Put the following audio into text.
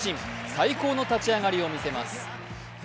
最高の立ち上がりを見せます。